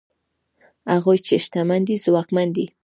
هغوی چې شتمن دي ځواکمن دي؛